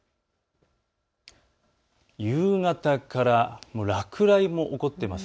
夕方から落雷も起こってます。